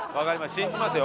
信じますよ？